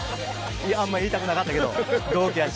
あんま言いたくなかったけど同期やし。